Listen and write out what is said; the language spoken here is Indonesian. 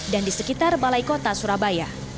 dan di sekitar balai kota surabaya